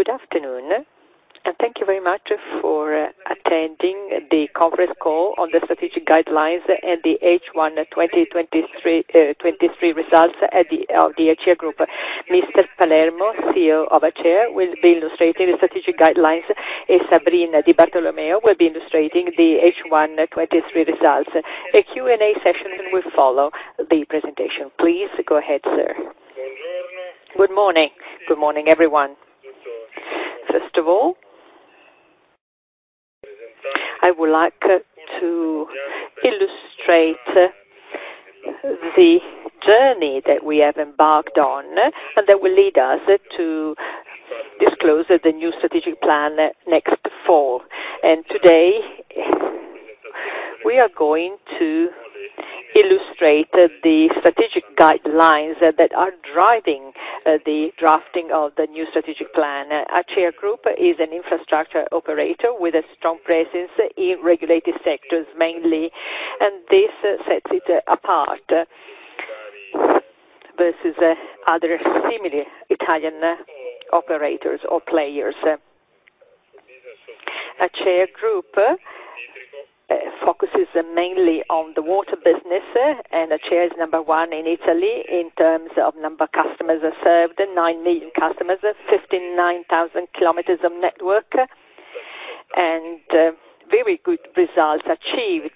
Good afternoon, and thank you very much for attending the conference call on the strategic guidelines and the H1 2023 results of the Acea Group. Mr. Palermo, CEO of Acea, will be illustrating the strategic guidelines, and Sabrina Di Bartolomeo will be illustrating the H1 2023 results. A Q&A session will follow the presentation. Please go ahead, sir. Good morning. Good morning, everyone. First of all. I would like to illustrate the journey that we have embarked on, and that will lead us to disclose the new strategic plan Next4. Today, we are going to illustrate the strategic guidelines that are driving the drafting of the new strategic plan. Acea Group is an infrastructure operator with a strong presence in regulated sectors, mainly, and this sets it apart versus other similar Italian operators or players. Acea Group focuses mainly on the water business. Acea is number one in Italy in terms of number of customers served, 9 million customers, 59,000 kilometers of network, and very good results achieved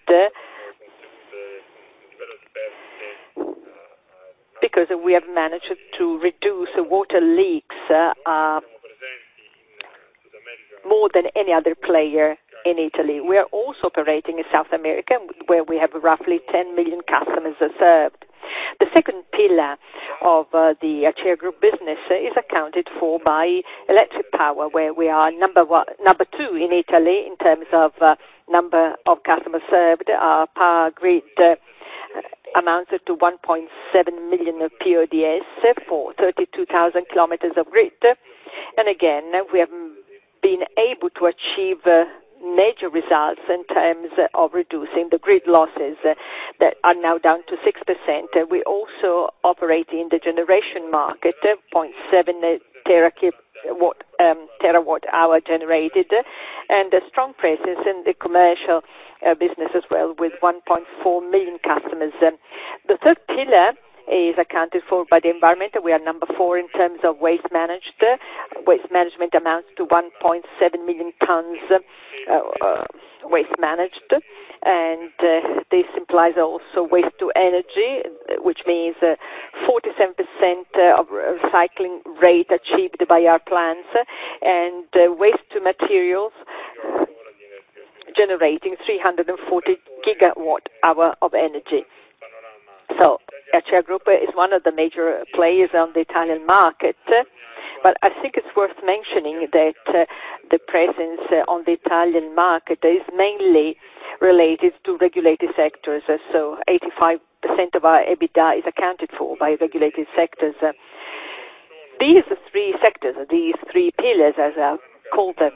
because we have managed to reduce water leaks more than any other player in Italy. We are also operating in South America, where we have roughly 10 million customers served. The second pillar of the Acea Group business is accounted for by electric power, where we are number 2 in Italy in terms of number of customers served. Our power grid amounts to 1.7 million PODs, for 32,000 kilometers of grid. Again, we have been able to achieve major results in terms of reducing the grid losses, that are now down to 6%. We also operate in the generation market, 0.7 terawatt hour generated. A strong presence in the commercial business as well, with 1.4 million customers. The 3rd pillar is accounted for by the environment. We are number 4 in terms of waste managed. Waste management amounts to 1.7 million tons waste managed. This implies also waste-to-energy, which means 47% of recycling rate achieved by our plants, and waste-to-materials, generating 340 gigawatt hour of energy. Acea Group is one of the major players on the Italian market. I think it's worth mentioning that the presence on the Italian market is mainly related to regulated sectors. 85% of our EBITDA is accounted for by regulated sectors. These 3 sectors, these 3 pillars, as I call them,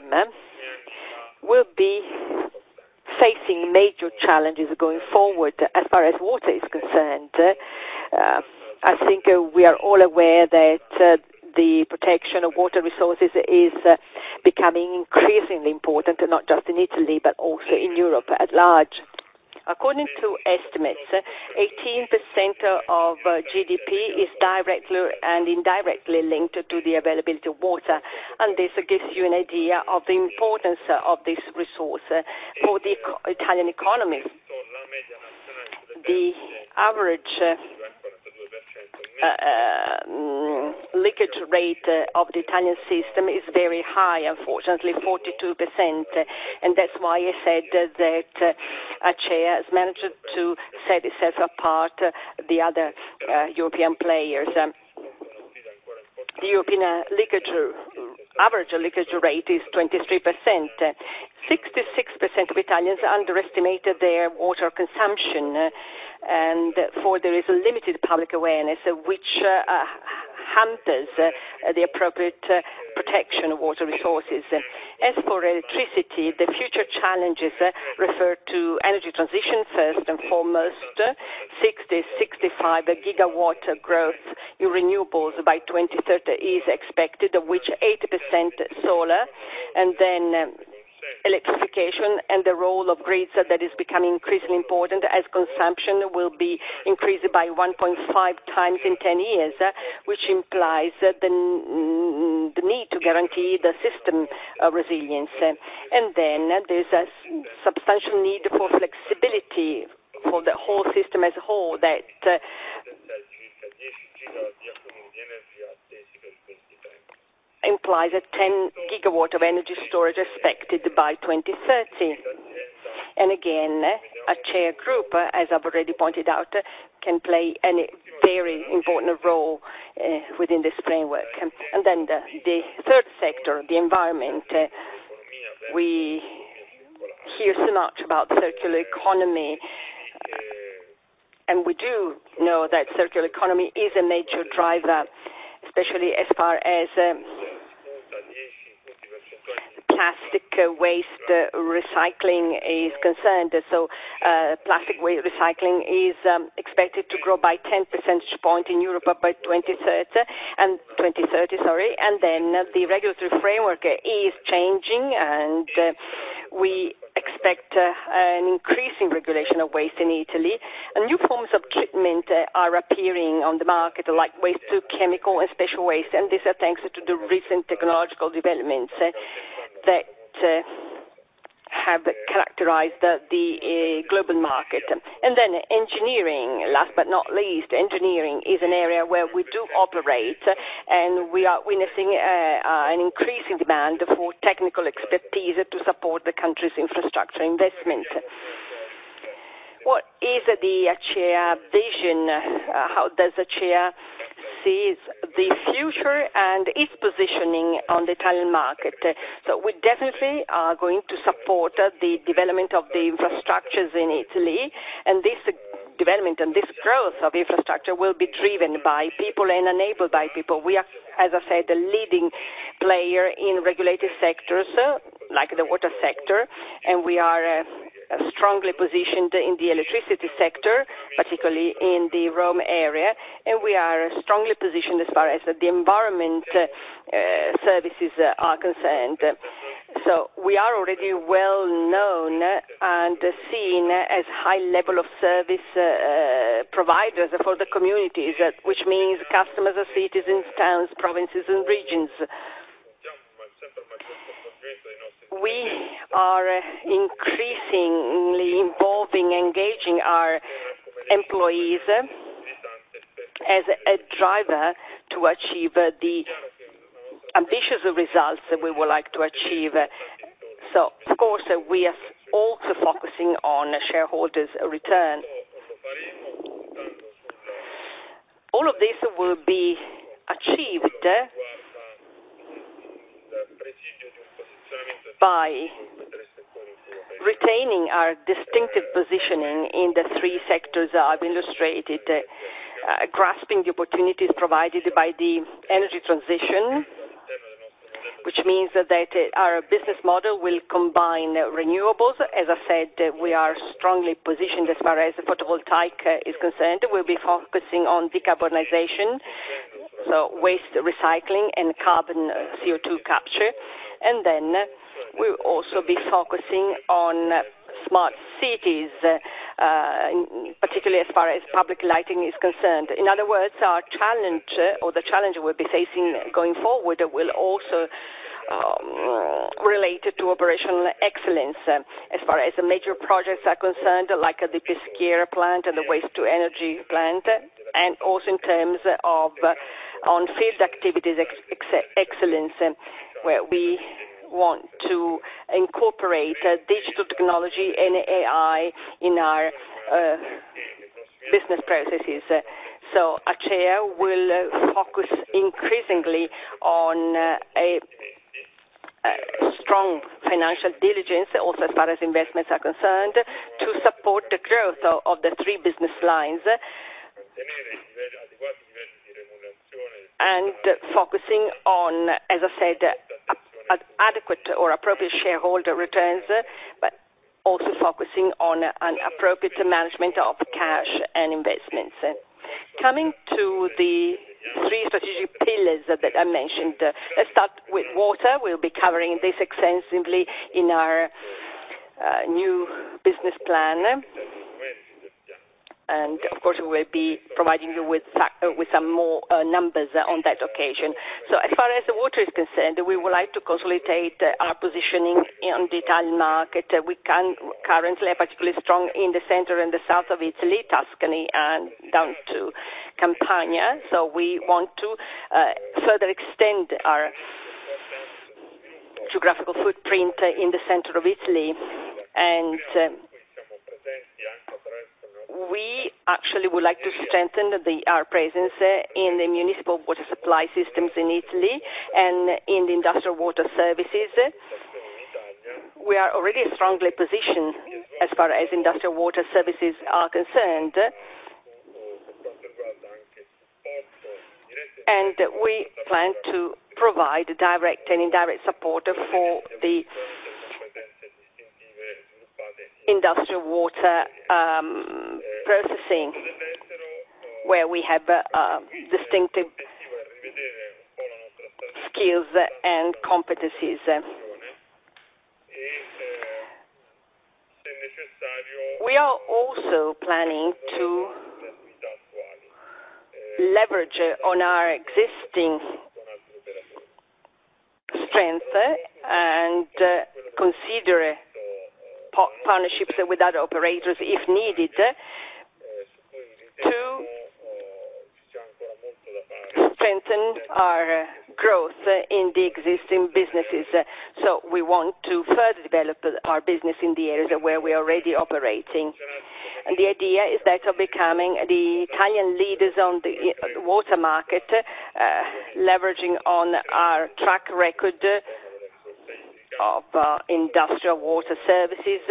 will be facing major challenges going forward as far as water is concerned. I think we are all aware that the protection of water resources is becoming increasingly important, not just in Italy, but also in Europe at large. According to estimates, 18% of GDP is directly and indirectly linked to the availability of water, this gives you an idea of the importance of this resource for the Italian economy. The average leakage rate of the Italian system is very high, unfortunately, 42%. That's why I said that Acea has managed to set itself apart the other European players. The European leakage, average leakage rate is 23%. 66% of Italians underestimated their water consumption. For there is a limited public awareness, which hampers the appropriate protection of water resources. As for electricity, the future challenges refer to energy transition. 1st and foremost, 65 GW growth in renewables by 2030 is expected, of which 80% solar. Then electrification and the role of grids, that is becoming increasingly important as consumption will be increased by 1.5 times in 10 years, which implies the need to guarantee the system resilience. Then there's a substantial need for flexibility for the whole system as a whole, that implies that 10 GW of energy storage expected by 2030. Again, Acea Group, as I've already pointed out, can play an very important role within this framework. The 3rd sector, the environment, we hear so much about circular economy, and we do know that circular economy is a major driver, especially as far as plastic waste recycling is concerned. Plastic waste recycling is expected to grow by 10 percentage point in Europe by 2030, and 2030, sorry. The regulatory framework is changing, and we expect an increase in regulation of waste in Italy. New forms of treatment are appearing on the market, like waste-to-chemical and special waste, and these are thanks to the recent technological developments that have characterized the global market. Engineering, last but not least, engineering is an area where we do operate, and we are witnessing an increasing demand for technical expertise to support the country's infrastructure investment. What is the Acea vision? How does Acea sees the future and its positioning on the Italian market? We definitely are going to support the development of the infrastructures in Italy, and this development and this growth of infrastructure will be driven by people and enabled by people. We are, as I said, a leading player in regulated sectors, like the water sector, and we are strongly positioned in the electricity sector, particularly in the Rome area, and we are strongly positioned as far as the environment services are concerned. We are already well known and seen as high level of service providers for the communities, which means customers are cities and towns, provinces and regions. We are increasingly involving, engaging our employees as a driver to achieve the ambitious results that we would like to achieve. Of course, we are also focusing on shareholders' return. All of this will be achieved by retaining our distinctive positioning in the three sectors I've illustrated, grasping the opportunities provided by the energy transition, which means that our business model will combine renewables. As I said, we are strongly positioned as far as photovoltaic is concerned. We'll be focusing on decarbonization, so waste recycling and carbon CO2 capture. We'll also be focusing on smart cities, particularly as far as public lighting is concerned. In other words, our challenge or the challenge we'll be facing going forward will also relate to operational excellence as far as the major projects are concerned, like the Peschiera plant and the waste-to-energy plant, and also in terms of, on field activities excellence, where we want to incorporate digital technology and AI in our business processes. Acea will focus increasingly on a strong financial diligence, also as far as investments are concerned, to support the growth of the three business lines. Focusing on, as I said, adequate or appropriate shareholder returns, but also focusing on an appropriate management of cash and investments. Coming to the 3 strategic pillars that I mentioned. Let's start with water. We'll be covering this extensively in our new business plan. Of course, we will be providing you with some more numbers on that occasion. As far as the water is concerned, we would like to consolidate our positioning in the Italian market. Currently are particularly strong in the center and the south of Italy, Tuscany and down to Campania. We want to further extend our geographical footprint in the center of Italy. We actually would like to strengthen our presence in the municipal water supply systems in Italy and in the industrial water services. We are already strongly positioned as far as industrial water services are concerned. We plan to provide direct and indirect support for the industrial water processing, where we have distinctive skills and competencies. We are also planning to leverage on our existing strength and consider partnerships with other operators, if needed, to strengthen our growth in the existing businesses. We want to further develop our business in the areas where we are already operating. The idea is that of becoming the Italian leaders on the water market, leveraging on our track record of industrial water services,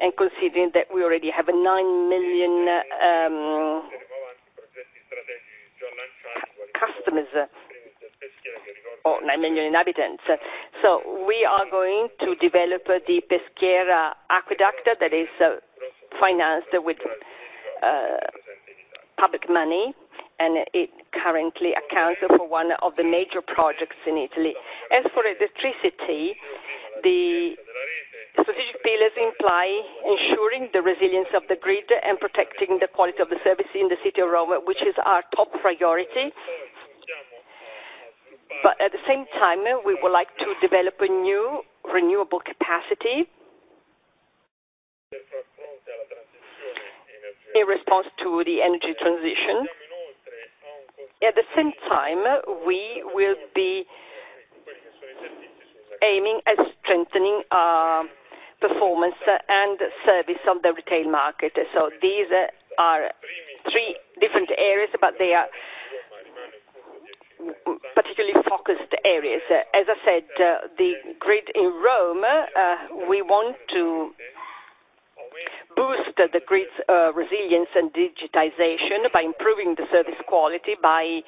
and considering that we already have 9 million customers or 9 million inhabitants. We are going to develop the Peschiera Aqueduct, that is financed with public money, and it currently accounts for one of the major projects in Italy. As for electricity, the specific pillars imply ensuring the resilience of the grid and protecting the quality of the service in the city of Rome, which is our top priority. At the same time, we would like to develop a new renewable capacity, in response to the energy transition. The same time, we will be aiming at strengthening our performance and service on the retail market. These are 3 different areas, but they are particularly focused areas. As I said, the grid in Rome, we want to boost the grid's resilience and digitization by improving the service quality, by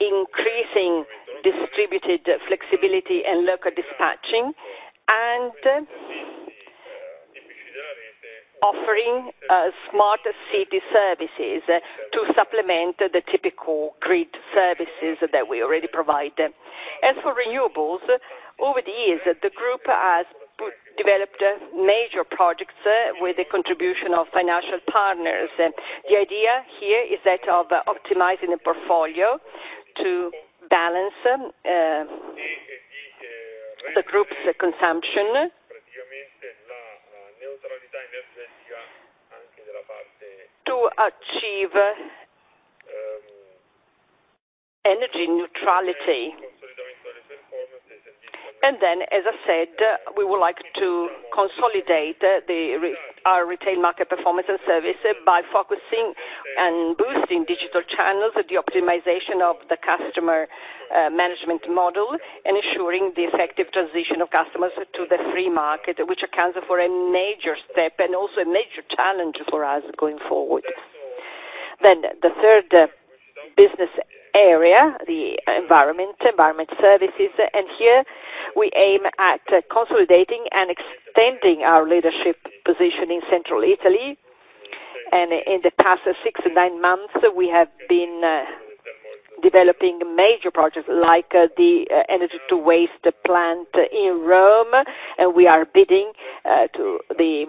increasing distributed flexibility and local dispatching, and offering smarter city services to supplement the typical grid services that we already provide. As for renewables, over the years, the group has developed major projects with the contribution of financial partners. The idea here is that of optimizing the portfolio to balance the group's consumption, to achieve energy neutrality. As I said, we would like to consolidate our retail market performance and service, by focusing and boosting digital channels, the optimization of the customer management model, and ensuring the effective transition of customers to the free market, which accounts for a major step and also a major challenge for us going forward. The 3rd business area, the environment services, and here we aim at consolidating and extending our leadership position in central Italy. In the past six to nine months, we have been developing major projects like the energy to waste plant in Rome, and we are bidding to the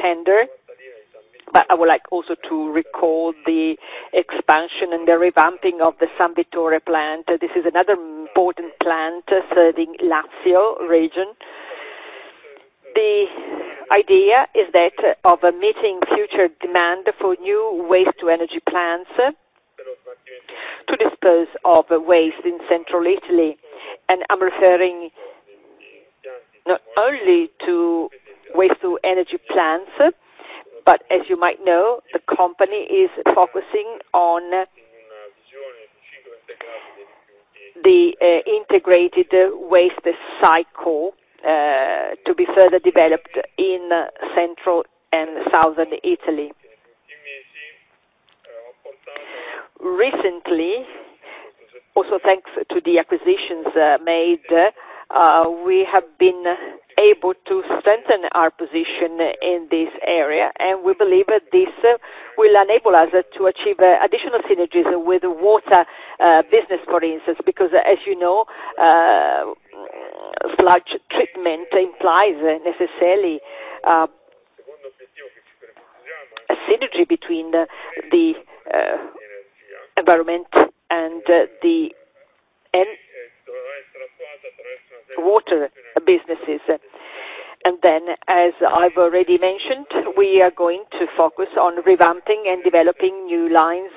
tender. I would like also to recall the expansion and the revamping of the San Vittore plant. This is another important plant serving Lazio region. The idea is that of meeting future demand for new waste-to-energy plants to dispose of waste in central Italy. I'm referring not only to waste-to-energy plants, but as you might know, the company is focusing on the integrated waste cycle to be further developed in central and southern Italy. Recently, also thanks to the acquisitions made, we have been able to strengthen our position in this area, and we believe that this will enable us to achieve additional synergies with water business, for instance, because, as you know, sludge treatment implies necessarily a synergy between the environment and the, and water businesses. As I've already mentioned, we are going to focus on revamping and developing new lines,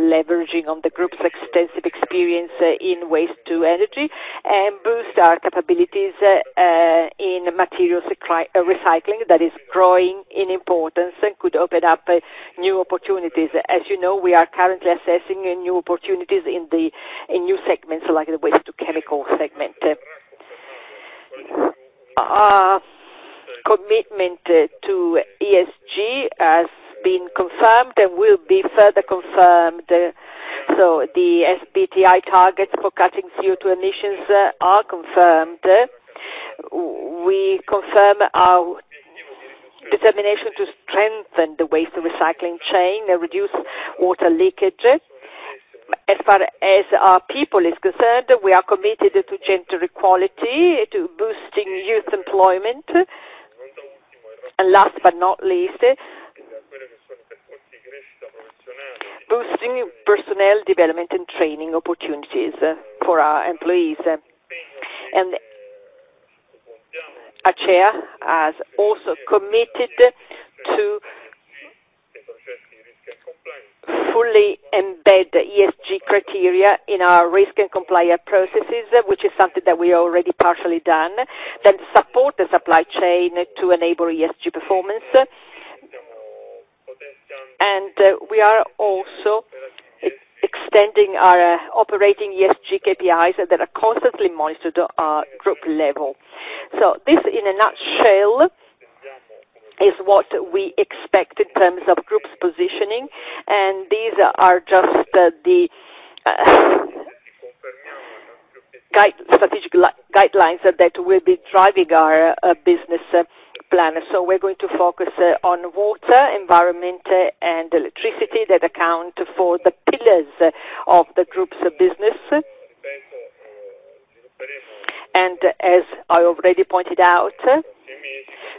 leveraging on the group's extensive experience in waste-to-energy, and boost our capabilities in materials recycling, that is growing in importance and could open up new opportunities. As you know, we are currently assessing new opportunities in new segments, like the waste-to-chemical segment. Our commitment to ESG has been confirmed and will be further confirmed. The SBTi targets for cutting CO2 emissions are confirmed. We confirm our determination to strengthen the waste recycling chain and reduce water leakage. As far as our people is concerned, we are committed to gender equality, to boosting youth employment, and last but not least, boosting personnel development and training opportunities for our employees. Acea has also committed to fully embed ESG criteria in our risk and compliance processes, which is something that we already partially done, then support the supply chain to enable ESG performance. We are also extending our operating ESG KPIs that are constantly monitored at our group level. This, in a nutshell, is what we expect in terms of group's positioning, and these are just the strategic guidelines that will be driving our business plan. We're going to focus on water, environment, and electricity, that account for the pillars of the group's business. As I already pointed out,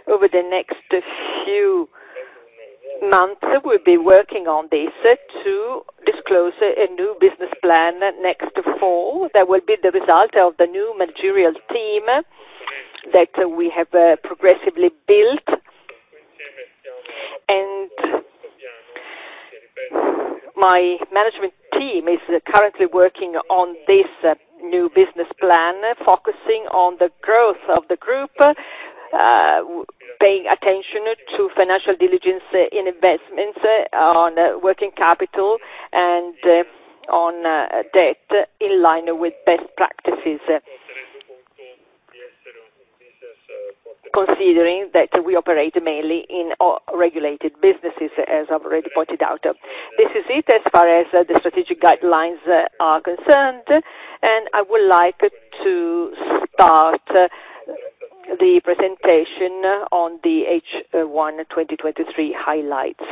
over the next few months, we'll be working on this to disclose a new business plan next fall, that will be the result of the new managerial team that we have progressively built. My management team is currently working on this new business plan, focusing on the growth of the group, paying attention to financial diligence in investments, on working capital, and on debt, in line with best practices. Considering that we operate mainly in regulated businesses, as I've already pointed out. This is it as far as the strategic guidelines are concerned. I would like to start the presentation on the H1 2023 highlights.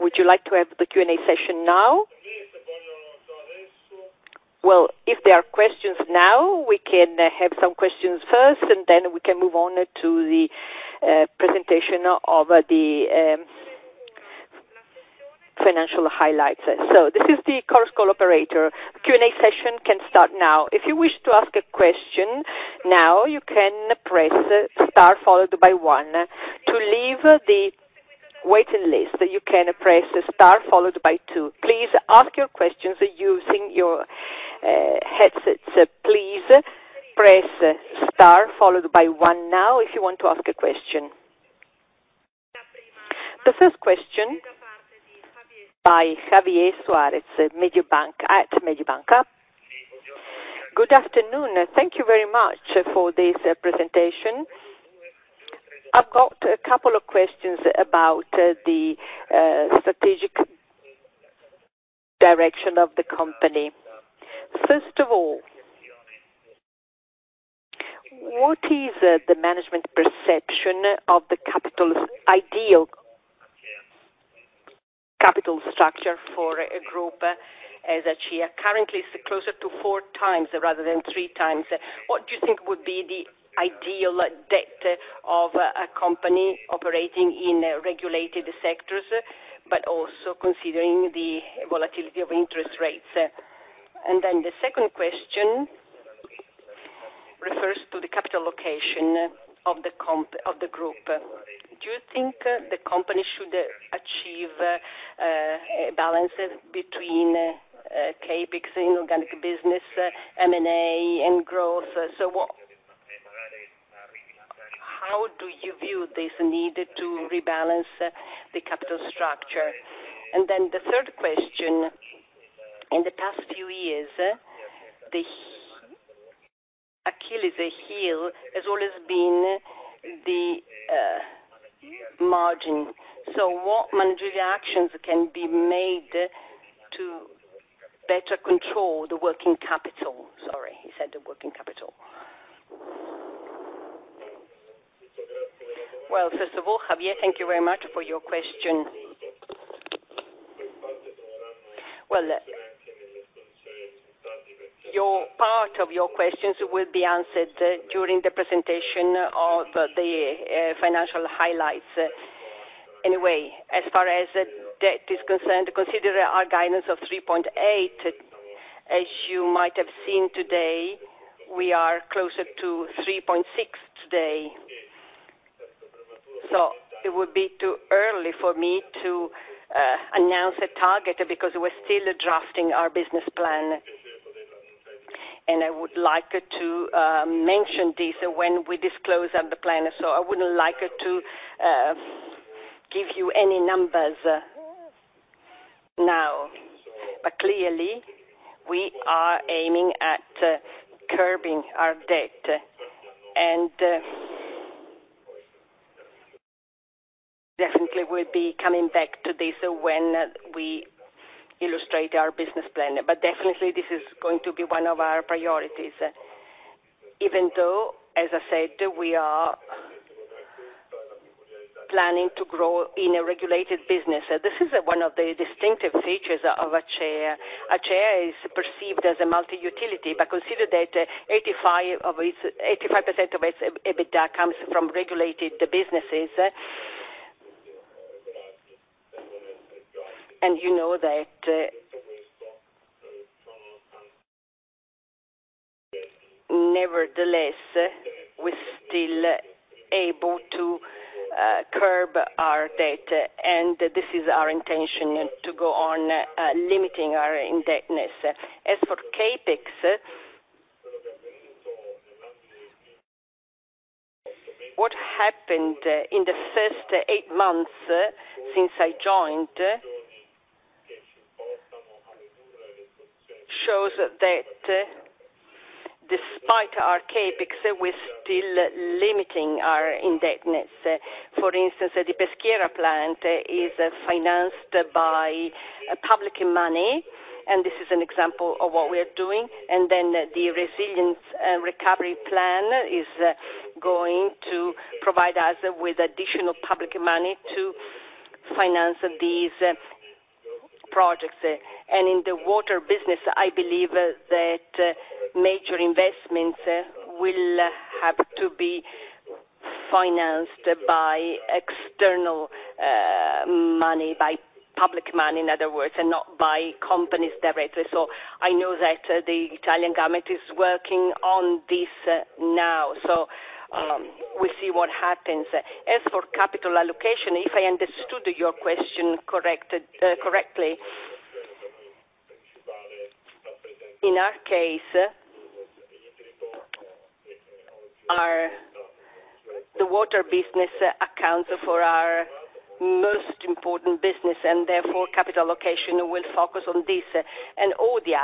Would you like to have the Q&A session now? Well, if there are questions now, we can have some questions 1st, we can move on to the presentation of the financial highlights. This is the conference call operator. Q&A session can start now. If you wish to ask a question now, you can press star followed by 1. To leave the waiting list, you can press star followed by 2. Please ask your questions using your headsets. Please press star followed by 1 now if you want to ask a question. The first question, by Javier Suarez, Mediobanca, at Mediobanca. Good afternoon. Thank you very much for this presentation. I've got a couple of questions about the strategic direction of the company. First of all, what is the management perception of the capital structure for a group, as she currently is closer to 4 times rather than 3 times? What do you think would be the ideal debt of a company operating in regulated sectors, but also considering the volatility of interest rates? The 2nd question refers to the capital allocation of the group. Do you think the company should achieve a balance between CapEx in organic business, M&A, and growth? What, how do you view this need to rebalance the capital structure? The 3rd question, in the past few years, the Achilles heel has always been the margin. What managerial actions can be made to better control the working capital? Sorry, he said the working capital. Well, first of all, Javier, thank you very much for your question. Well, your, part of your questions will be answered during the presentation of the financial highlights. As far as debt is concerned, consider our guidance of 3.8. As you might have seen today, we are closer to 3.6 today. It would be too early for me to announce a target, because we're still drafting our business plan. I would like to mention this when we disclose the plan, I wouldn't like to give you any numbers now. Clearly, we are aiming at curbing our debt, definitely we'll be coming back to this when we illustrate our business plan. Definitely this is going to be one of our priorities, even though, as I said, we are planning to grow in a regulated business. This is one of the distinctive features of Acea. Acea is perceived as a multi-utility, but consider that 85% of its EBITDA comes from regulated businesses. You know that. Nevertheless, we're still able to curb our debt, and this is our intention, to go on limiting our indebtedness. As for CapEx, what happened in the first eight months, since I joined, shows that despite our CapEx, we're still limiting our indebtedness. For instance, the Peschiera plant is financed by public money. This is an example of what we are doing. The Resilience and Recovery Plan is going to provide us with additional public money to finance these projects. In the water business, I believe that major investments will have to be financed by external money, by public money, in other words, and not by companies directly. I know that the Italian government is working on this now, so we'll see what happens. As for capital allocation, if I understood your question correctly, in our case, the water business accounts for our most important business, and therefore, capital allocation will focus on this, and all the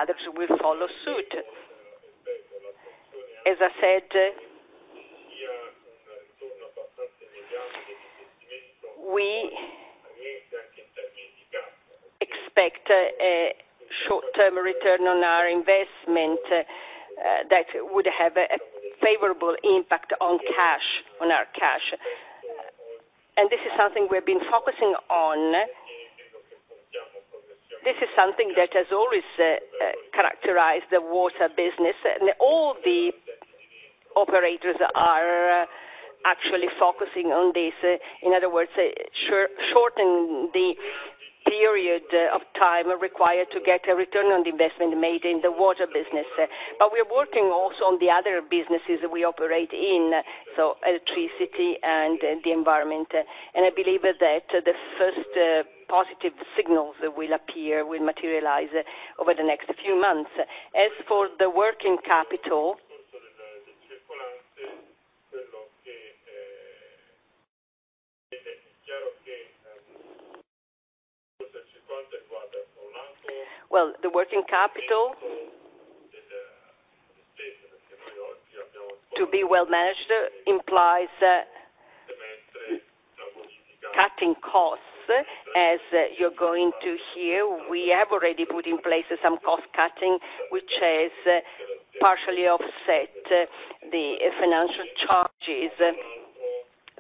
others will follow suit. As I said, we expect a short-term return on our investment that would have a favorable impact on cash, on our cash. This is something we've been focusing on. This is something that has always characterized the water business, and all the operators are actually focusing on this. In other words, shorten the period of time required to get a return on the investment made in the water business. We're working also on the other businesses we operate in, so electricity and the environment. I believe that the first positive signals will appear, will materialize over the next few months. Well, the working capital, to be well managed, implies cutting costs. As you're going to hear, we have already put in place some cost cutting, which has partially offset the financial charges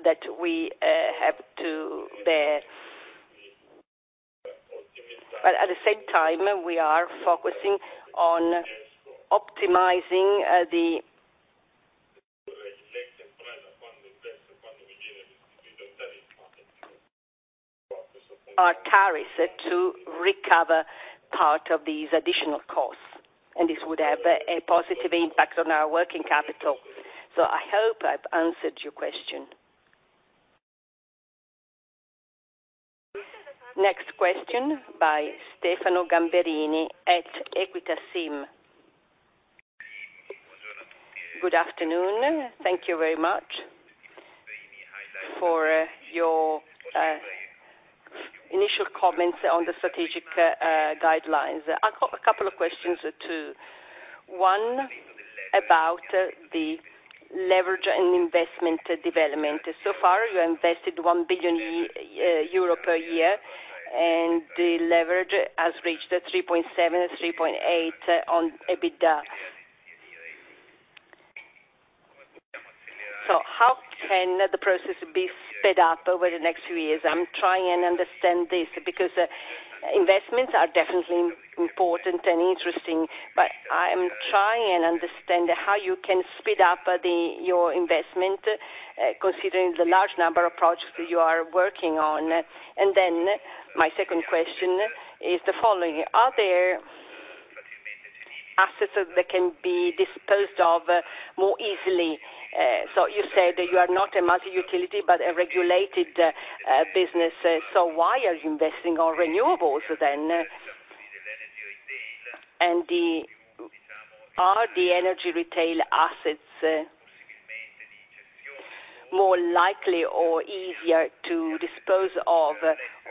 that we have to bear. At the same time, we are focusing on optimizing our tariffs to recover part of these additional costs, and this would have a positive impact on our working capital. I hope I've answered your question. Next question by Stefano Gamberini at Equita SIM. Good afternoon. Thank you very much for your initial comments on the strategic guidelines. I've got a couple of questions or two. 1, about the leverage and investment development. Far, you invested 1 billion euro per year, and the leverage has reached 3.7, 3.8 on EBITDA. How can the process be sped up over the next few years? I'm trying and understand this, because investments are definitely important and interesting, but I am trying and understand how you can speed up, the, your investment, considering the large number of projects you are working on. My second question is the following: Are there assets that can be disposed of more easily? You said that you are not a multi-utility, but a regulated business, so why are you investing on renewables then? Are the energy retail assets, more likely or easier to dispose of,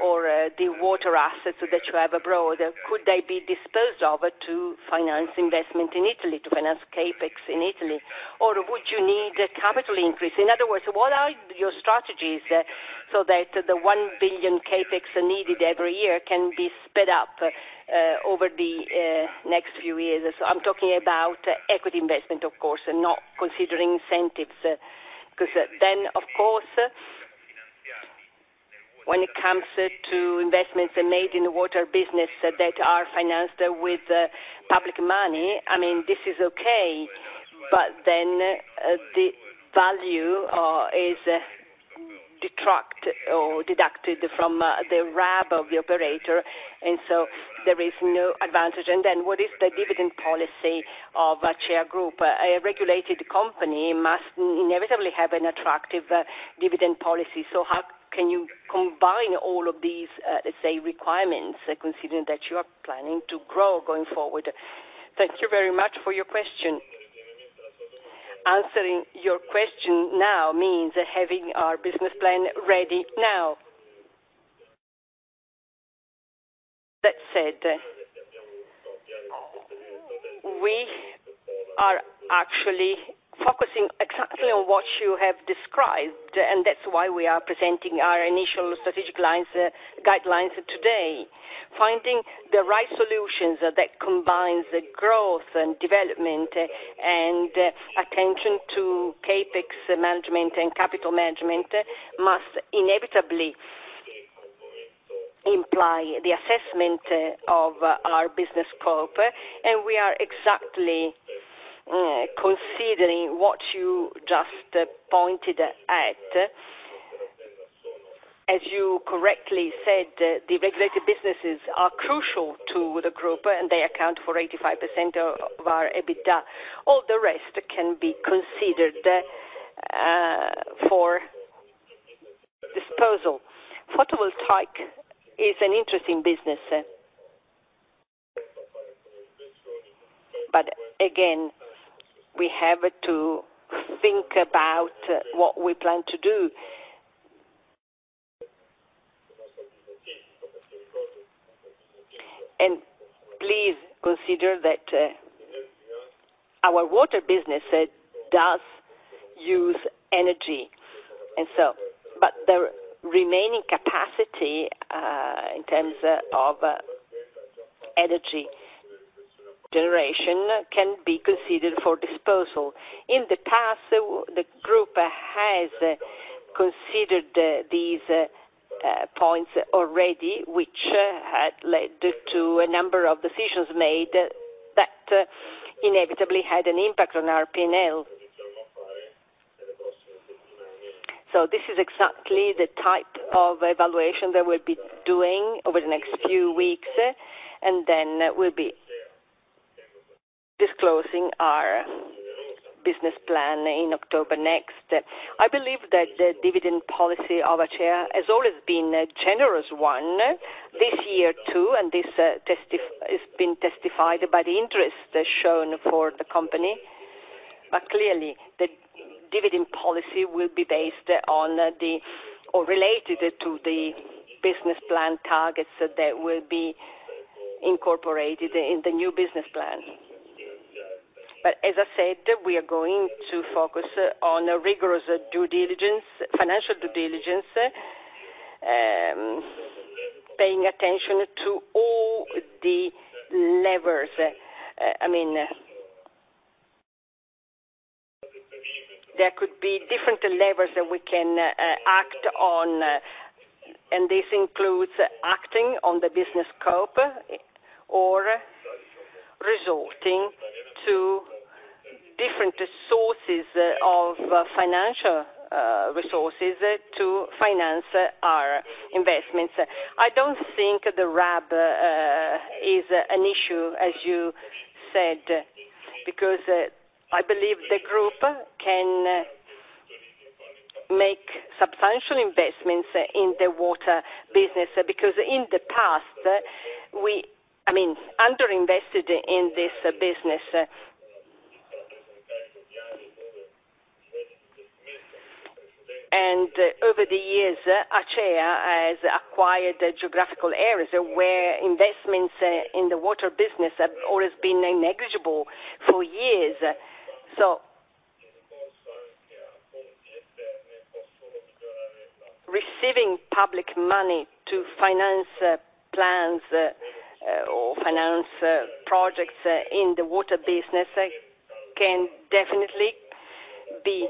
or the water assets that you have abroad, could they be disposed of to finance investment in Italy, to finance CapEx in Italy, or would you need a capital increase? What are your strategies so that the 1 billion CapEx needed every year can be sped up over the next few years? I'm talking about equity investment, of course, and not considering incentives, because then, of course, when it comes to investments made in the water business that are financed with public money, I mean, this is okay, but then the value detract or deducted from the RAB of the operator, there is no advantage. What is the dividend policy of Acea Group? A regulated company must inevitably have an attractive dividend policy. How can you combine all of these, say, requirements, considering that you are planning to grow going forward? Thank you very much for your question. Answering your question now means having our business plan ready now. That said, we are actually focusing exactly on what you have described. That's why we are presenting our initial strategic lines, guidelines today. Finding the right solutions that combines the growth and development, and attention to CapEx management and capital management, must inevitably imply the assessment of our business scope, and we are exactly considering what you just pointed at. As you correctly said, the regulated businesses are crucial to the group, and they account for 85% of our EBITDA. All the rest can be considered for disposal. Photovoltaic is an interesting business. Again, we have to think about what we plan to do. Please consider that, our water business does use energy, and so, but the remaining capacity in terms of energy generation can be considered for disposal. In the past, the group has considered these points already, which had led to a number of decisions made that inevitably had an impact on our P&L. This is exactly the type of evaluation that we'll be doing over the next few weeks, and then we'll be disclosing our business plan in October next. I believe that the dividend policy of Acea has always been a generous one, this year, too, and this has been testified by the interest shown for the company. Clearly, the dividend policy will be based on the, or related to the business plan targets that will be incorporated in the new business plan. As I said, we are going to focus on a rigorous due diligence, financial due diligence, paying attention to all the levers. I mean, there could be different levers that we can act on, and this includes acting on the business scope or resorting to different sources of financial resources to finance our investments. I don't think the RAB is an issue, as you said, because I believe the group can make substantial investments in the water business, because in the past, we, I mean, underinvested in this business. Over the years, Acea has acquired geographical areas where investments in the water business have always been negligible for years. Receiving public money to finance plans or finance projects in the water business can definitely be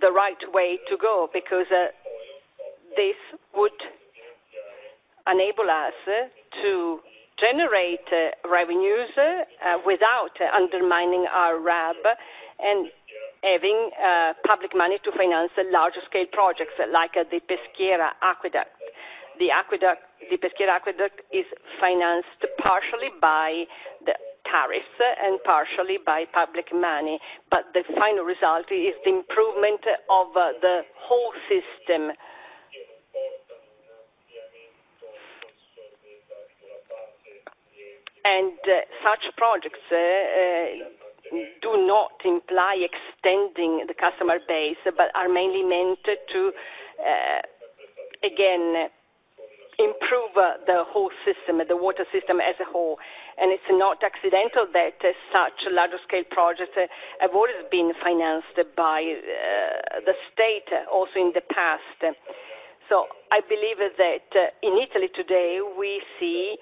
the right way to go, because this would enable us to generate revenues without undermining our RAB and having public money to finance large-scale projects like the Peschiera Aqueduct. The aqueduct, the Peschiera Aqueduct is financed partially by the tariffs and partially by public money, but the final result is the improvement of the whole system. Such projects do not imply extending the customer base, but are mainly meant to again, improve the whole system, the water system as a whole. It's not accidental that such large-scale projects have always been financed by the state, also in the past. I believe that in Italy today, we see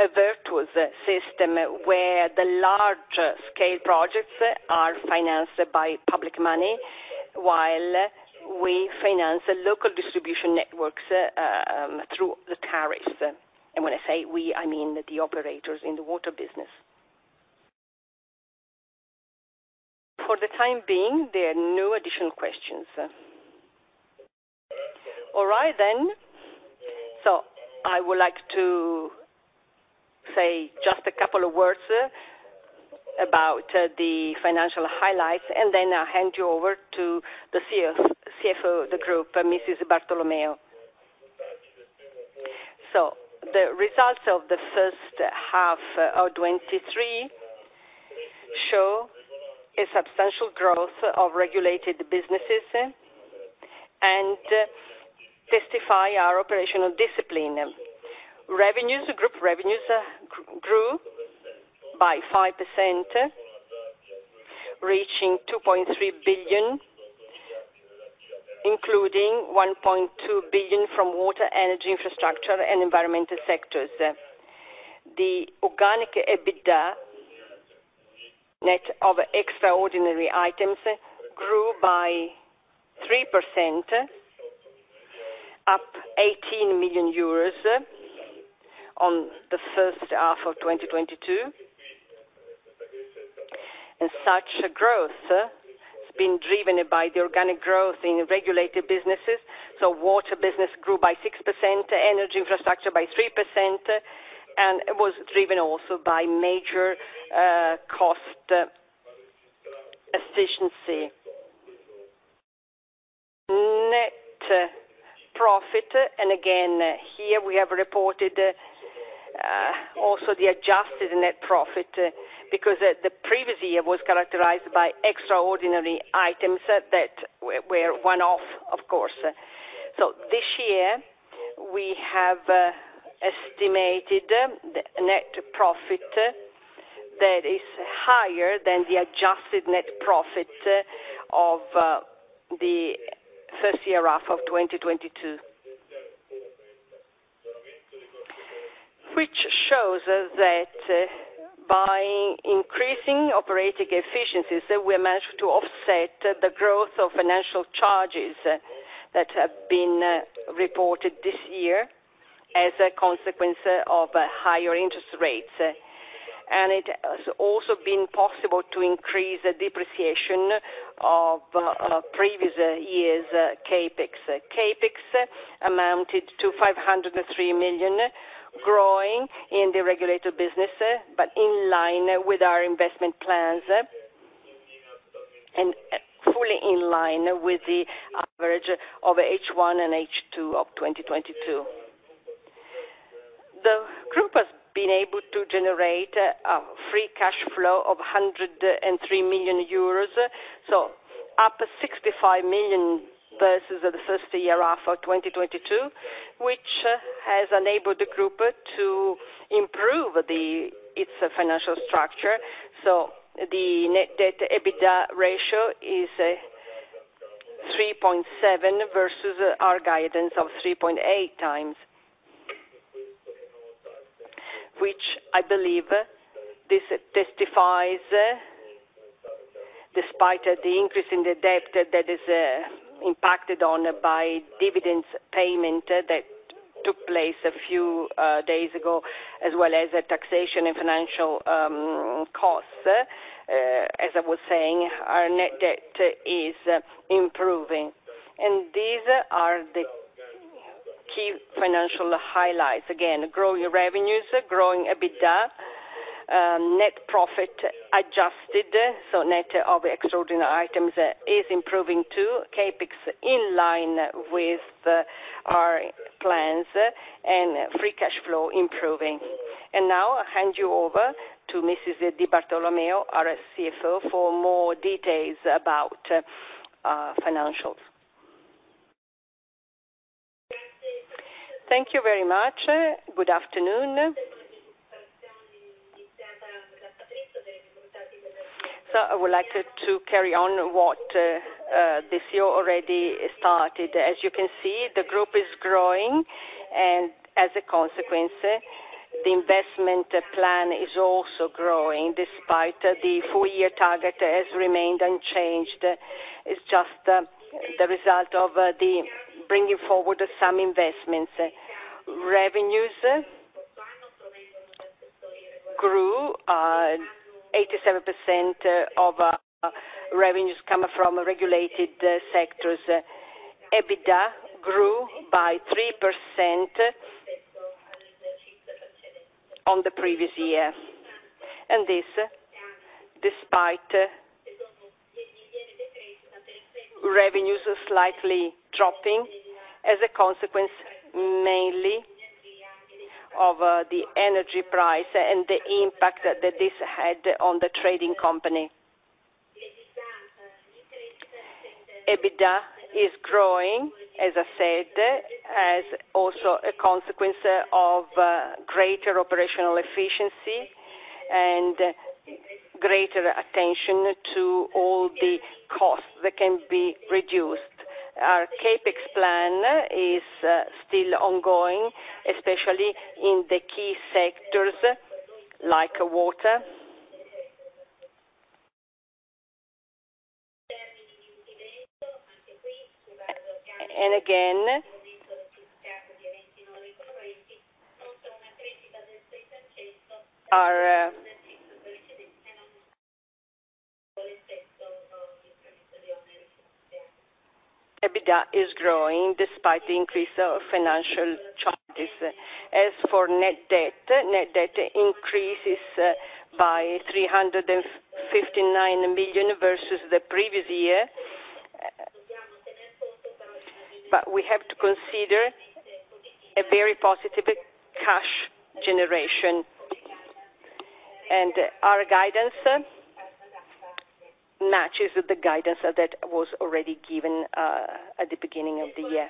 a virtuous system, where the large-scale projects are financed by public money, while we finance the local distribution networks through the tariffs. When I say we, I mean the operators in the water business. For the time being, there are no additional questions. All right, then. I would like to say just a couple of words about the financial highlights, and then I'll hand you over to the CFO of the group, Mrs. Di Bartolomeo. The results of the first half of 2023 show a substantial growth of regulated businesses and testify our operational discipline. Revenues, group revenues, grew by 5%, reaching 2.3 billion, including 1.2 billion from water, energy, infrastructure, and environmental sectors. The organic EBITDA, net of extraordinary items, grew by 3%, up 18 million euros on the first half of 2022. Such growth has been driven by the organic growth in regulated businesses, so water business grew by 6%, energy infrastructure by 3%, and it was driven also by major cost efficiency. Net profit, again, here we have reported also the adjusted net profit, because the previous year was characterized by extraordinary items that were one-off, of course. This year, we have estimated the net profit that is higher than the adjusted net profit of the first year half of 2022. Which shows us that by increasing operating efficiencies, we managed to offset the growth of financial charges that have been reported this year as a consequence of higher interest rates. It has also been possible to increase the depreciation of previous years' CapEx. CapEx amounted to 503 million, growing in the regulated business, but in line with our investment plans, and fully in line with the average of H1 and H2 of 2022. The group has been able to generate free cash flow of 103 million euros, up 65 million versus the first year half of 2022, which has enabled the group to improve its financial structure. The net debt to EBITDA ratio is 3.7 versus our guidance of 3.8 times. Which I believe this testifies, despite the increase in the debt that is impacted on by dividends payment that took place a few days ago, as well as a taxation and financial costs. As I was saying, our net debt is improving. These are the key financial highlights. Again, growing revenues, growing EBITDA, net profit adjusted, so net of extraordinary items is improving, too. CapEx in line with our plans, and free cash flow improving. Now I'll hand you over to Mrs. Di Bartolomeo, our CFO, for more details about financials. Thank you very much. Good afternoon. I would like to carry on what the CEO already started. As you can see, the group is growing, and as a consequence, the investment plan is also growing, despite the full year target has remained unchanged. It's just the result of the bringing forward of some investments. Revenues grew, 87% of revenues come from regulated sectors. EBITDA grew by 3% on the previous year, and this, despite revenues slightly dropping as a consequence, mainly of the energy price and the impact that this had on the trading company. EBITDA is growing, as I said, as also a consequence of greater operational efficiency and greater attention to all the costs that can be reduced. Our CapEx plan is still ongoing, especially in the key sectors, like water. Again, our EBITDA is growing despite the increase of financial charges. As for net debt, net debt increases by 359 million versus the previous year. We have to consider a very positive cash generation, and our guidance matches with the guidance that was already given at the beginning of the year.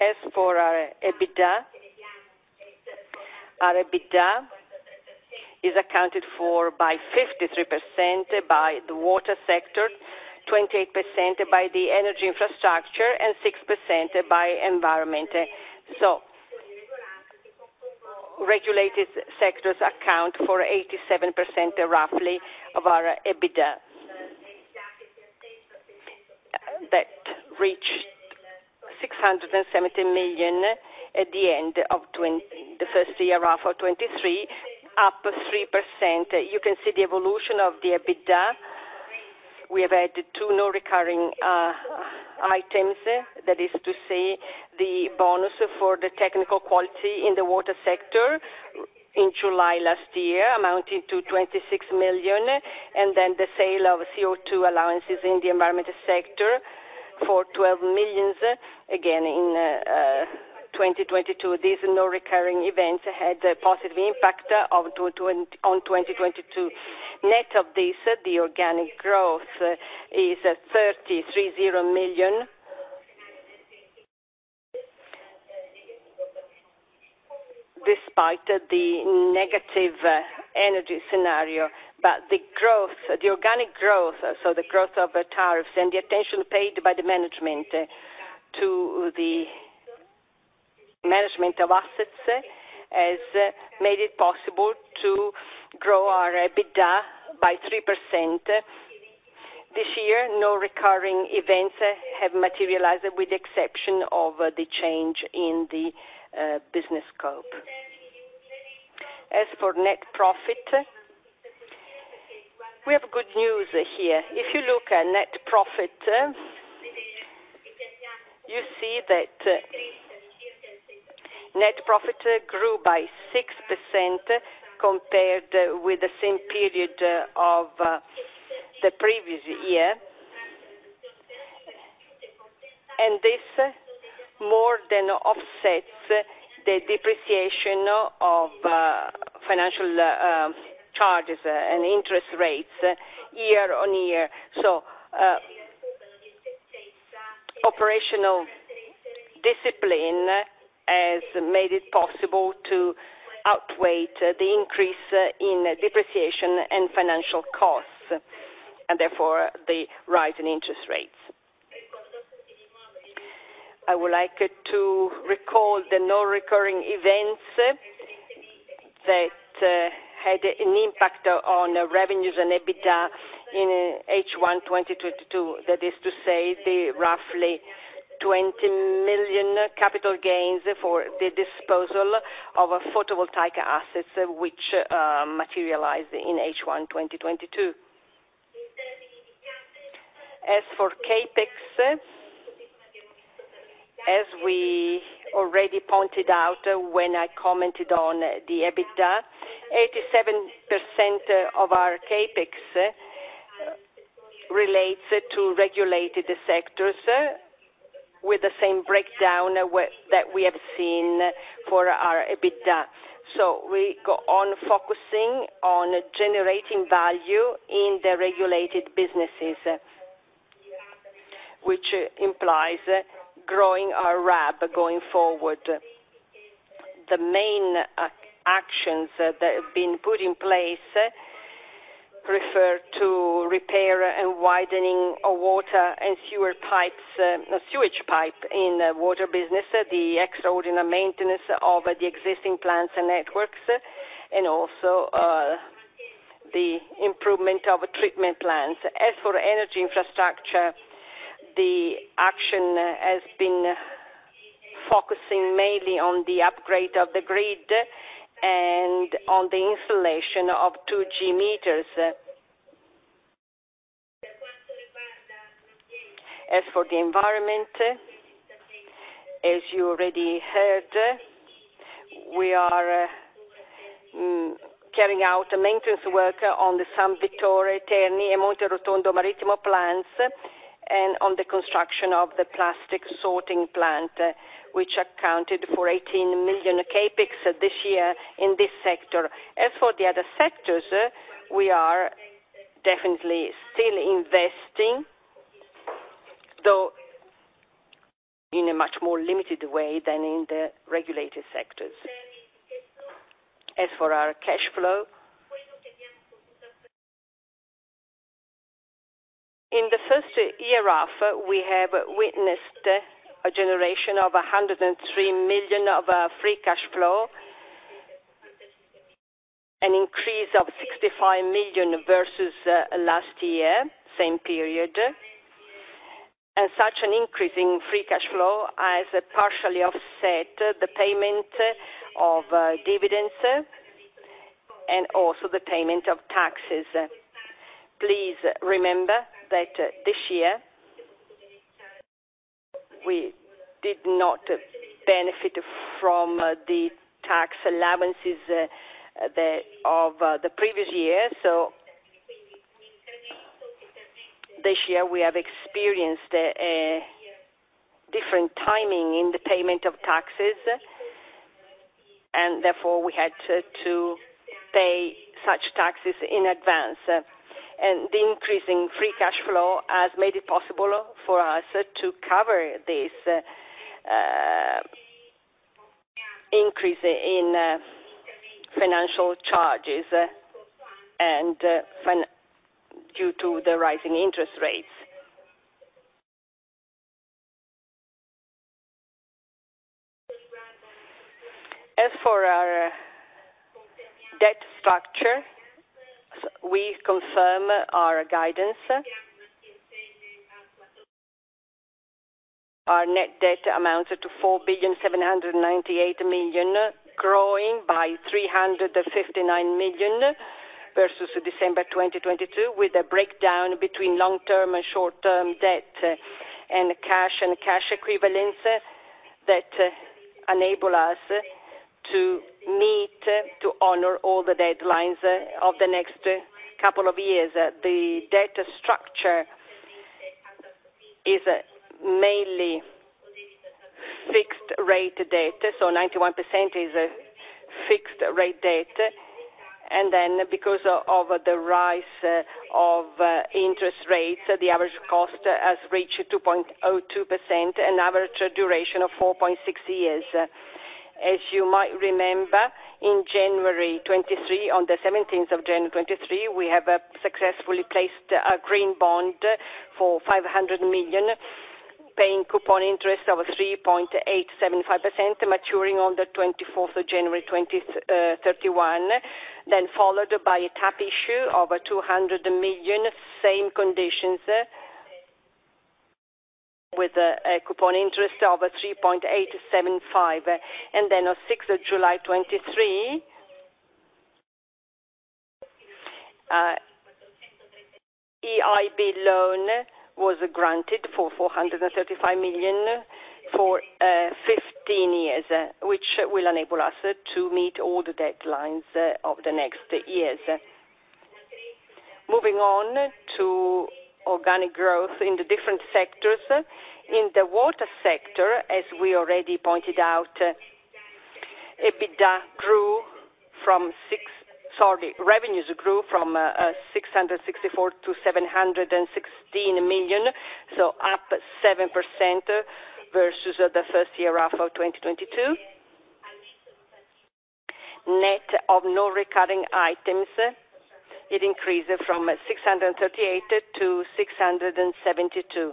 As for our EBITDA, our EBITDA is accounted for by 53% by the water sector, 28% by the energy infrastructure, and 6% by environment. Regulated sectors account for 87%, roughly, of our EBITDA. That reached 670 million at the end of the first year, half of 2023, up 3%. You can see the evolution of the EBITDA. We have added two non-recurring items, that is to say, the bonus for the technical quality in the water sector in July 2022, amounting to 26 million, and then the sale of CO2 allowances in the environmental sector for 12 million, again, in 2022. These non-recurring events had a positive impact on 2022. Net of this, the organic growth is 33.0 million, despite the negative energy scenario. The organic growth, so the growth of the tariffs and the attention paid by the management to the management of assets, has made it possible to grow our EBITDA by 3%. This year, no recurring events have materialized, with the exception of the change in the business scope. As for net profit, we have good news here. If you look at net profit, you see that net profit grew by 6% compared with the same period of the previous year. This more than offsets the depreciation of financial charges and interest rates year on year. Operational discipline has made it possible to outweigh the increase in depreciation and financial costs, and therefore, the rise in interest rates. I would like to recall the non-recurring events that had an impact on revenues and EBITDA in H1, 2022. That is to say, the roughly 20 million capital gains for the disposal of photovoltaic assets, which materialized in H1, 2022. As for CapEx, as we already pointed out, when I commented on the EBITDA, 87% of our CapEx relates to regulated sectors with the same breakdown that we have seen for our EBITDA. We go on focusing on generating value in the regulated businesses, which implies growing our RAB going forward. The main actions that have been put in place refer to repair and widening of water and sewer pipes, sewage pipe in water business, the extraordinary maintenance of the existing plants and networks, and also, the improvement of treatment plants. As for energy infrastructure, the action has been focusing mainly on the upgrade of the grid and on the installation of 2G meters. As for the environment, as you already heard, we are carrying out a maintenance work on the San Vittore, Terni, and Monterotondo Marittimo plants, and on the construction of the plastic sorting plant, which accounted for 18 million CapEx this year in this sector. As for the other sectors, we are definitely still investing, though in a much more limited way than in the regulated sectors. As for our cash flow, in the first year half, we have witnessed a generation of 103 million of free cash flow. An increase of 65 million versus last year, same period. As such, an increase in free cash flow has partially offset the payment of dividends and also the payment of taxes. Please remember that this year, we did not benefit from the tax allowances of the previous year. This year we have experienced a different timing in the payment of taxes, and therefore, we had to pay such taxes in advance. The increase in free cash flow has made it possible for us to cover this increase in financial charges and due to the rising interest rates. As for our debt structure, we confirm our guidance. Our net debt amounts to 4,798 million, growing by 359 million versus December 2022, with a breakdown between long-term and short-term debt and cash and cash equivalents, that enable us to honor all the deadlines of the next couple of years. The debt structure is mainly fixed rate debt, 91% is fixed rate debt. Because of the rise of interest rates, the average cost has reached 2.02%, an average duration of 4.6 years. As you might remember, in January 2023, on the 17th of January 2023, we have successfully placed a Green Bond for 500 million, paying coupon interest of 3.875%, maturing on the 24th of January 2031, followed by a tap issue of 200 million, same conditions, with a coupon interest of 3.875%. On 6th of July 2023, EIB loan was granted for 435 million for 15 years, which will enable us to meet all the deadlines of the next years. Moving on to organic growth in the different sectors. In the water sector, as we already pointed out, EBITDA grew from six. Sorry, revenues grew from 664 million to 716 million, up 7% versus the first year of 2022. Net of non-recurring items, it increased from 638 to 672.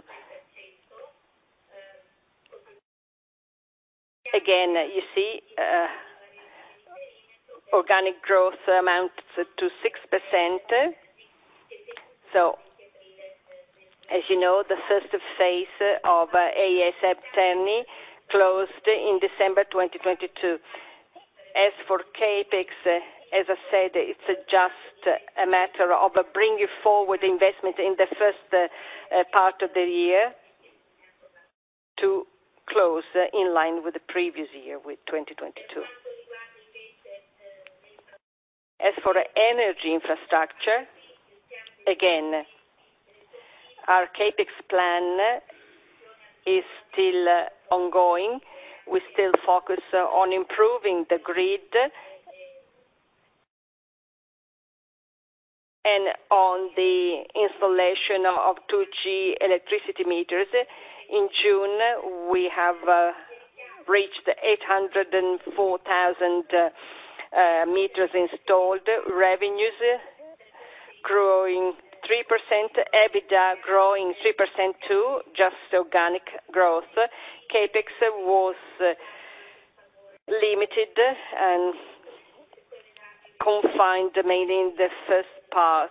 Again, you see, organic growth amounts to 6%. As you know, the first phase of ASAP Terna closed in December 2022. As for CapEx, as I said, it's just a matter of bringing forward investment in the first part of the year to close in line with the previous year, with 2022. As for energy infrastructure, again, our CapEx plan is still ongoing. We still focus on improving the grid, and on the installation of 2G electricity meters. In June, we have reached 804,000 meters installed. Revenues growing 3%, EBITDA growing 3%, too, just organic growth. CapEx was limited and confined, mainly in the first part,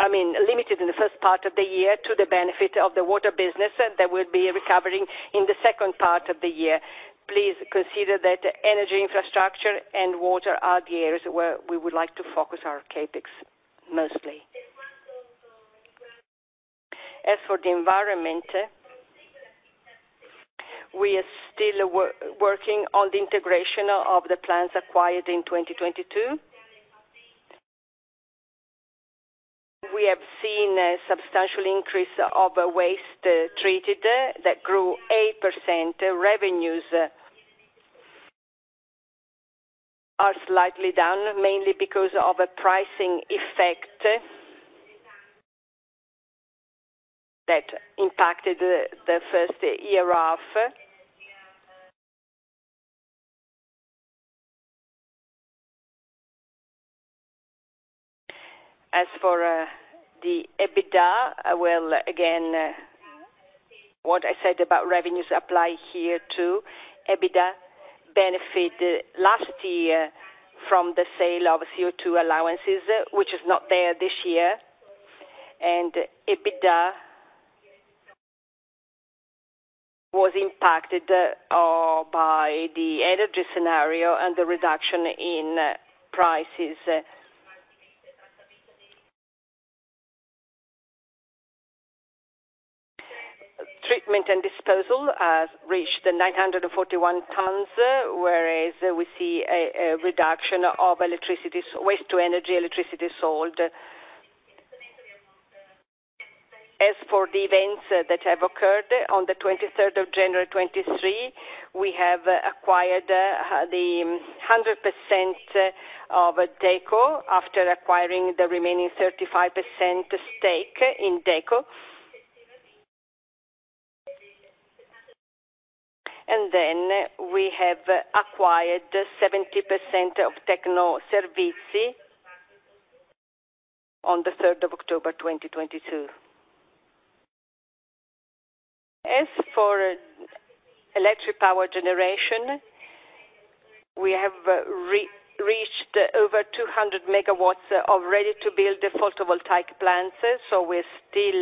I mean, limited in the first part of the year to the benefit of the water business, that will be recovering in the second part of the year. Please consider that energy infrastructure and water are the areas where we would like to focus our CapEx, mostly. As for the environment, we are still working on the integration of the plants acquired in 2022. We have seen a substantial increase of waste treated that grew 8%. Revenues are slightly down, mainly because of a pricing effect that impacted the first year of. As for the EBITDA, I will, again, what I said about revenues apply here, too. EBITDA benefited last year from the sale of CO2 allowances, which is not there this year. EBITDA was impacted by the energy scenario and the reduction in prices. Treatment and disposal reached 941 tons, whereas we see a reduction of electricity, waste-to-energy, electricity sold. As for the events that have occurred, on the 23rd of January 2023, we have acquired the 100% of Deco, after acquiring the remaining 35% stake in Deco. We have acquired 70% of Tecnoservizi on the 3rd of October 2022. As for electric power generation, we have reached over 200 MW of ready-to-build photovoltaic plants, so we're still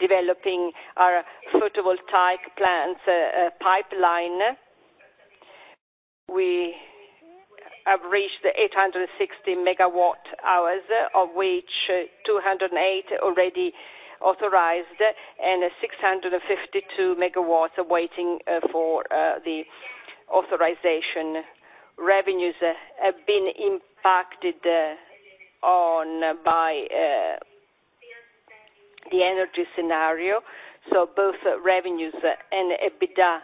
developing our photovoltaic plants pipeline. We have reached 860 megawatt hours, of which 208 already authorized, and 652 megawatts are waiting for the authorization. Revenues have been impacted by the energy scenario. Both revenues and EBITDA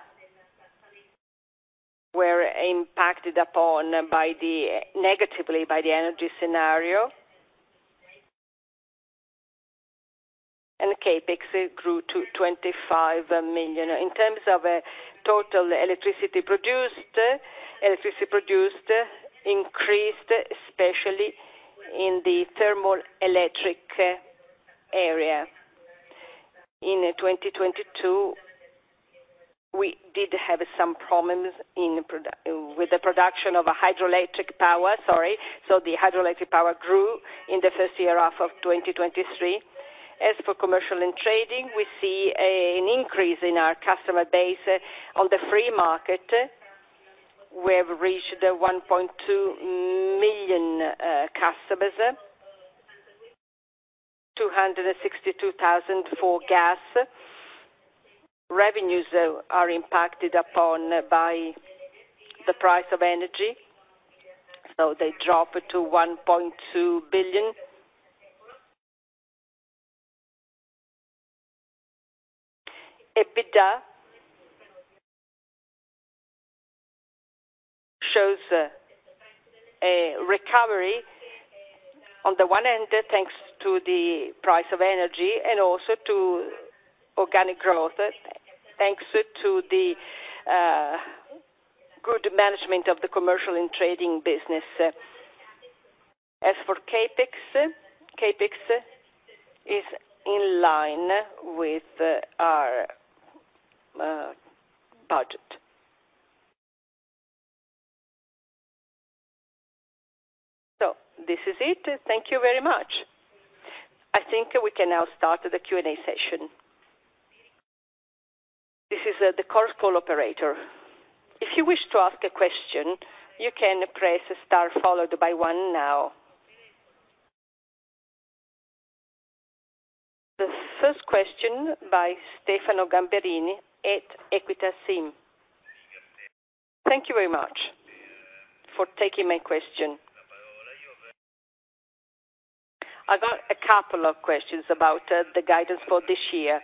were impacted upon negatively by the energy scenario. CapEx grew to 25 million. In terms of total electricity produced, electricity produced increased, especially in the thermal electric area. In 2022, we did have some problems with the production of a hydroelectric power, sorry. The hydroelectric power grew in the first year half of 2023. As for commercial and trading, we see an increase in our customer base on the free market. We have reached 1.2 million customers, 262,000 for gas. Revenues are impacted upon by the price of energy, so they drop to 1.2 billion. EBITDA shows a recovery on the one hand, thanks to the price of energy and also to organic growth, thanks to the good management of the commercial and trading business. As for CapEx is in line with our budget. This is it. Thank you very much. I think we can now start the Q&A session. This is the call operator. If you wish to ask a question, you can press star followed by one now. The first question by Stefano Gamberini at Equita SIM. Thank you very much for taking my question. I got a couple of questions about the guidance for this year.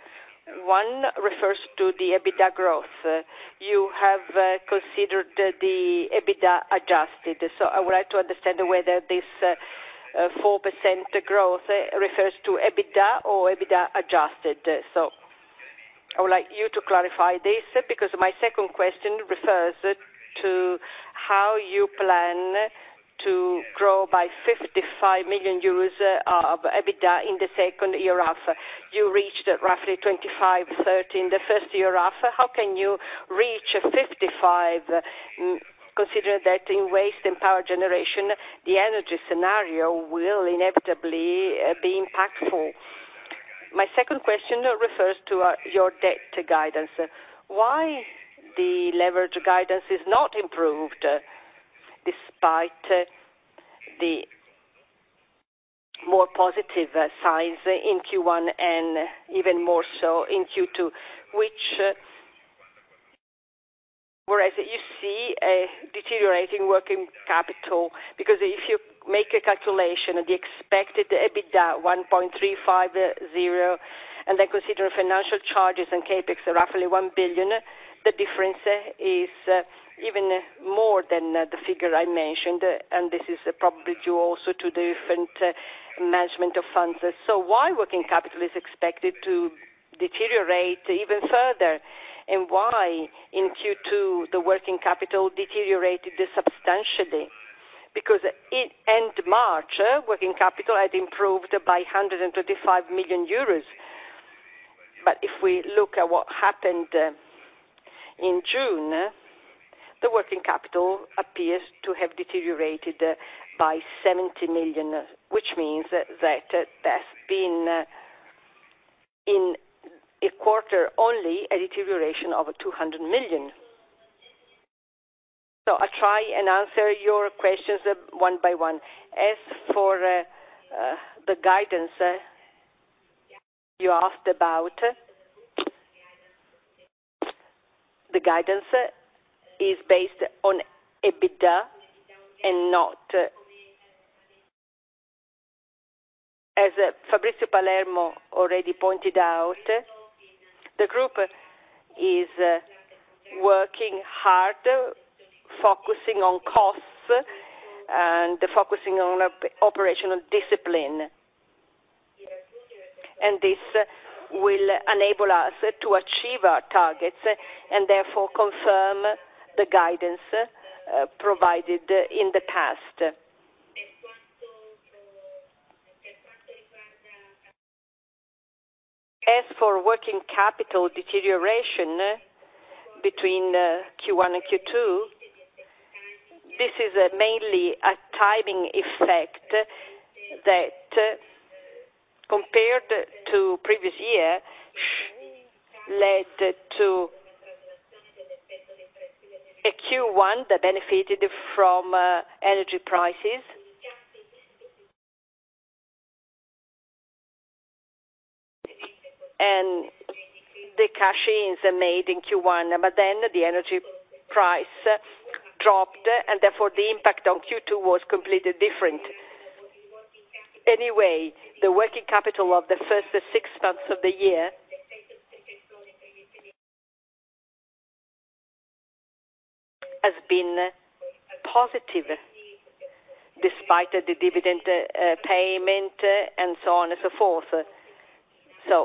One refers to the EBITDA growth. You have considered the EBITDA adjusted, so I would like to understand whether this 4% growth refers to EBITDA or EBITDA adjusted. I would like you to clarify this, because my second question refers to how you plan to grow by 55 million euros of EBITDA in the second year half. You reached roughly 25 million, 30 million in the first year half. How can you reach 55 million, considering that in waste and power generation, the energy scenario will inevitably be impactful? My second question refers to your debt guidance. Why the leverage guidance is not improved, despite the more positive signs in Q1 and even more so in Q2, whereas you see a deteriorating working capital, because if you make a calculation, the expected EBITDA, 1.350, and then consider financial charges and CapEx, roughly 1 billion, the difference is even more than the figure I mentioned, and this is probably due also to different management of funds. Why working capital is expected to deteriorate even further? Why in Q2, the working capital deteriorated substantially? In end March, working capital had improved by 135 million euros. If we look at what happened in June, the working capital appears to have deteriorated by 70 million, which means that there's been in a quarter, only a deterioration of 200 million. I try and answer your questions one by one. As for the guidance you asked about, the guidance is based on EBITDA and not, as Fabrizio Palermo already pointed out, the group is working hard, focusing on costs and focusing on operational discipline. This will enable us to achieve our targets, and therefore confirm the guidance provided in the past. As for working capital deterioration between Q1 and Q2, this is mainly a timing effect that, compared to previous year, led to a Q1 that benefited from energy prices. The cash ins are made in Q1, but then the energy price dropped, and therefore the impact on Q2 was completely different. The working capital of the first six months of the year has been positive, despite the dividend payment, and so on and so forth.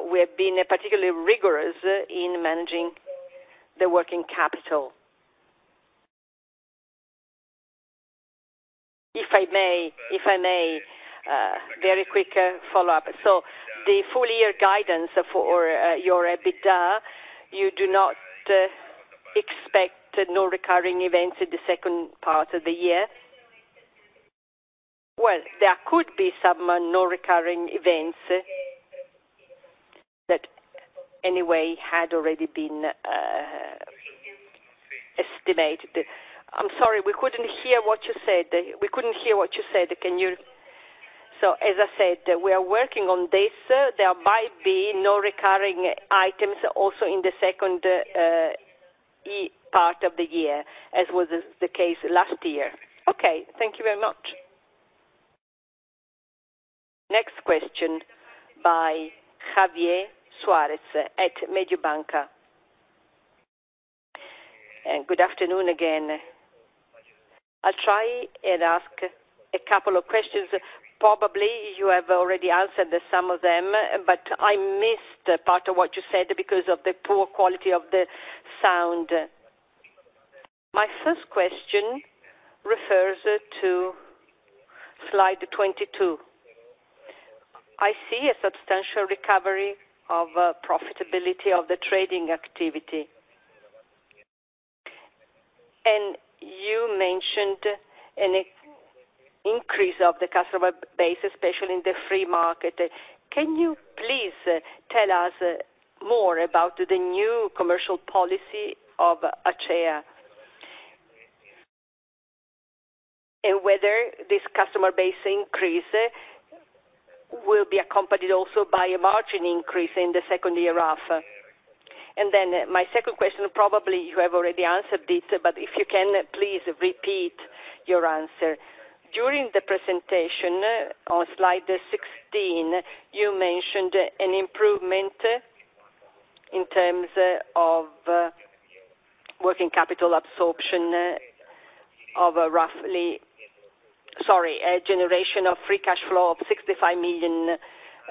We have been particularly rigorous in managing the working capital. If I may, a very quick follow-up. The full year guidance for your EBITDA, you do not expect no recurring events in the second part of the year? Well, there could be some non-recurring events that anyway, had already been estimated. I'm sorry, we couldn't hear what you said. As I said, we are working on this. There might be no recurring items also in the second part of the year, as was the case last year. Okay, thank you very much. Next question by Javier Suarez at Mediobanca. Good afternoon again. I'll try and ask a couple of questions. Probably you have already answered some of them. I missed part of what you said because of the poor quality of the sound. My first question refers to slide 22. I see a substantial recovery of profitability of the trading activity. You mentioned an increase of the customer base, especially in the free market. Can you please tell us more about the new commercial policy of Acea? Whether this customer base increase will be accompanied also by a margin increase in the second year half. My second question, probably you have already answered this. If you can, please repeat your answer. During the presentation on slide 16, you mentioned an improvement in terms of a generation of free cash flow of 65 million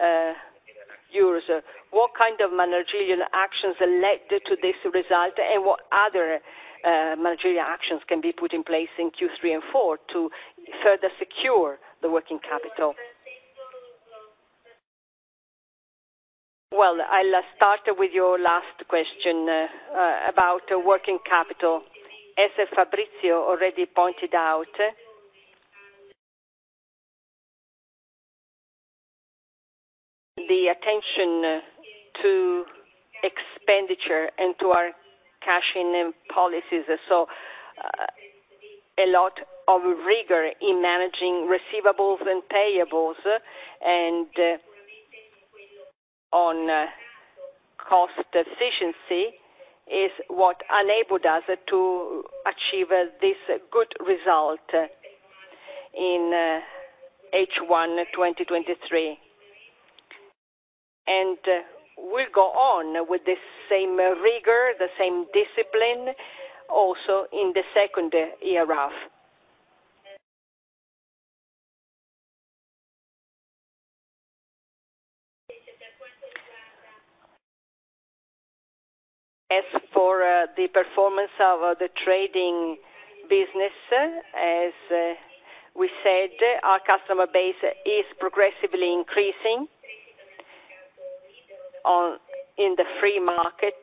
euros. What kind of managerial actions led to this result, and what other managerial actions can be put in place in Q3 and four to further secure the working capital? Well, I'll start with your last question about working capital. As Fabrizio already pointed out, the attention to expenditure and to our cashing policies. A lot of rigor in managing receivables and payables, and on cost efficiency is what enabled us to achieve this good result in H1 2023. We go on with the same rigor, the same discipline, also in the second year half. As for the performance of the trading business, as we said, our customer base is progressively increasing in the free market.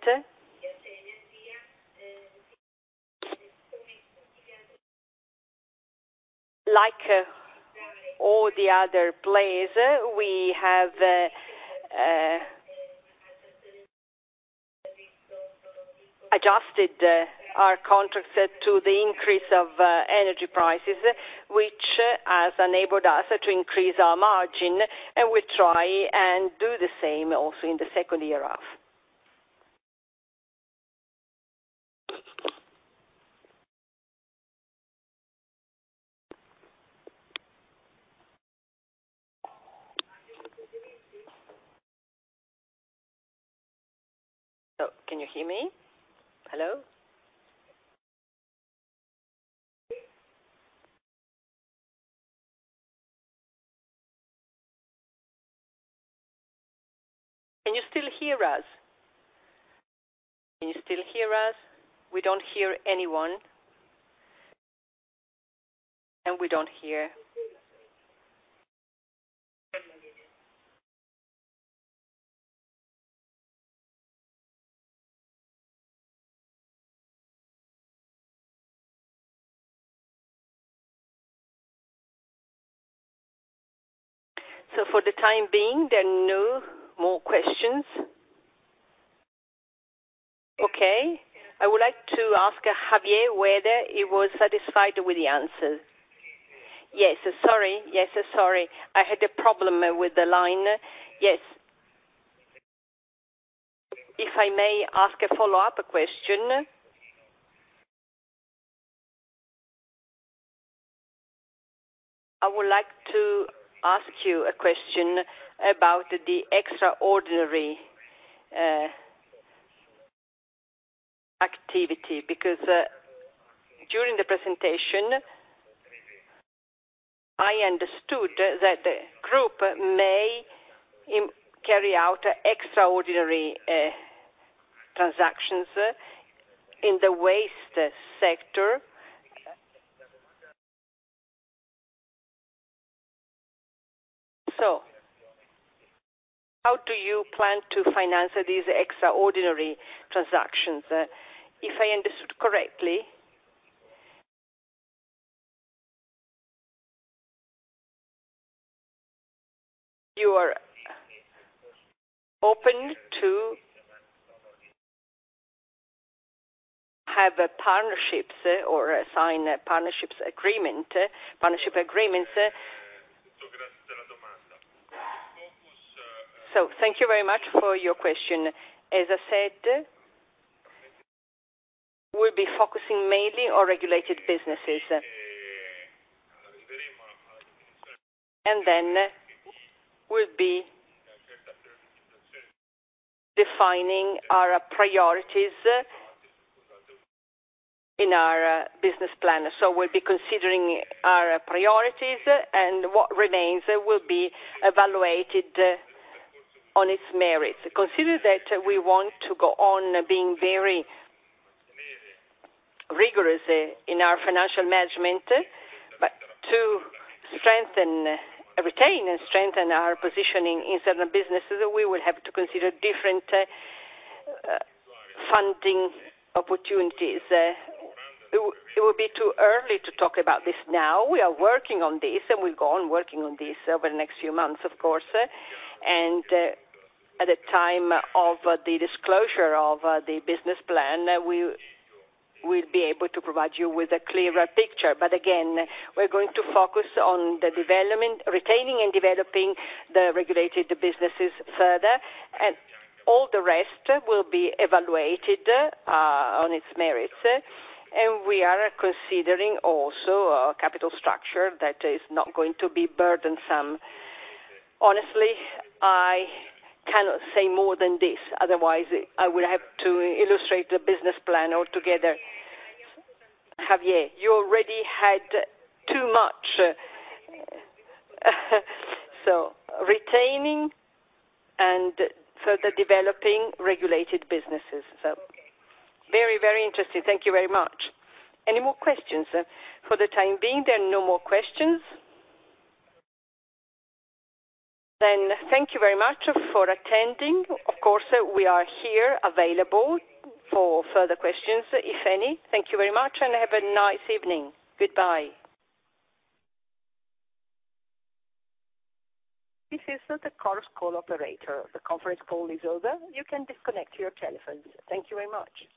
Like all the other players, we have adjusted our contracts to the increase of energy prices, which has enabled us to increase our margin. We try and do the same also in the second year off. Can you hear me? Hello? Can you still hear us? We don't hear anyone. We don't hear. For the time being, there are no more questions. Okay, I would like to ask Javier whether he was satisfied with the answer. Yes, sorry. I had a problem with the line. Yes. If I may ask a follow-up question. I would like to ask you a question about the extraordinary activity, because during the presentation, I understood that the group may carry out extraordinary transactions in the waste sector. How do you plan to finance these extraordinary transactions? If I understood correctly, you are open to have partnerships or sign partnership agreements. Thank you very much for your question. As I said, we'll be focusing mainly on regulated businesses. Then we'll be defining our priorities in our business plan. We'll be considering our priorities, and what remains will be evaluated on its merits. Consider that we want to go on being very rigorous in our financial management, but to strengthen, retain, and strengthen our positioning in certain businesses, we will have to consider different funding opportunities. It would be too early to talk about this now. We are working on this, and we'll go on working on this over the next few months, of course. At the time of the disclosure of the business plan, we will be able to provide you with a clearer picture. Again, we're going to focus on the development, retaining and developing the regulated businesses further, and all the rest will be evaluated on its merits. We are considering also a capital structure that is not going to be burdensome. Honestly, I cannot say more than this. Otherwise, I would have to illustrate the business plan altogether. Javier, you already had too much. Retaining and further developing regulated businesses. Very interesting. Thank you very much. Any more questions? For the time being, there are no more questions. Thank you very much for attending. Of course, we are here available for further questions, if any. Thank you very much and have a nice evening. Goodbye. This is the conference call operator. The conference call is over. You can disconnect your telephones. Thank you very much.